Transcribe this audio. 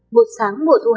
một sáng mùa thu hành